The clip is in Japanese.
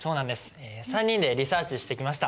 ３人でリサーチしてきました。